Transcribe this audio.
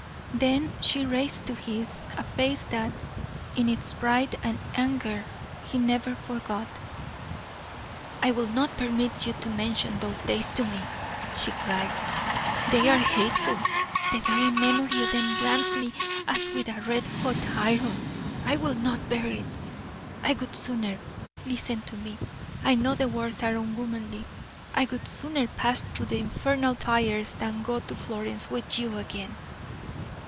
Then she raised to his a face that, in its pride and anger, he never forgot. "I will not permit you to mention those days to me," she cried. "They are hateful; the very memory of them brands me as with a red hot iron. I will not bear it. I would sooner listen to me I know the words are unwomanly I would sooner pass through the infernal fires than go to Florence with you again."